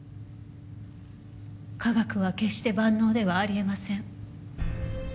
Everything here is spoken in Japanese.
科学は決して万能ではあり得ません。